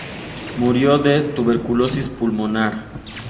Murió de tuberculosis pulmonar.